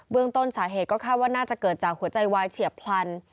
ต้นสาเหตุก็คาดว่าน่าจะเกิดจากหัวใจวายเฉียบพลัน